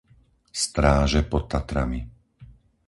Stráže pod Tatrami